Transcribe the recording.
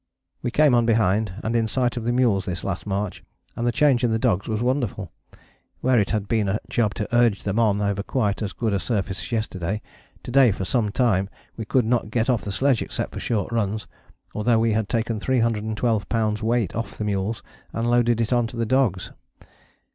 We came on behind, and in sight of the mules this last march, and the change in the dogs was wonderful. Where it had been a job to urge them on over quite as good a surface yesterday, to day for some time we could not get off the sledge except for short runs: although we had taken 312 lbs. weight off the mules and loaded it on to the dogs.